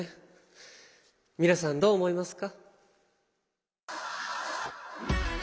皆さんどう思いますか？